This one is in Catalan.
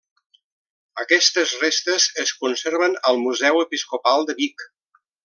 Aquestes restes es conserven al Museu Episcopal de Vic.